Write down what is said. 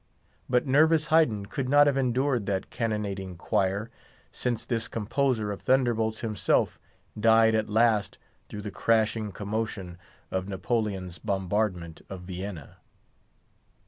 But nervous Haydn could not have endured that cannonading choir, since this composer of thunderbolts himself died at last through the crashing commotion of Napoleon's bombardment of Vienna.